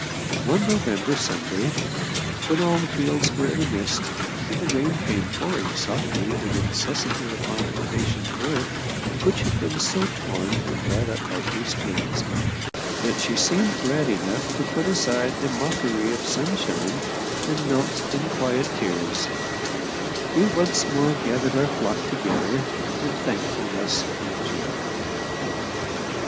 One November Sunday, when all the fields were in a mist, and the rain came pouring softly and incessantly upon the patient earth which had been so torn and dried up by east winds, that she seemed glad enough to put aside the mockery of sunshine and melt in quiet tears, we once more gathered our flock together in thankfulness and joy.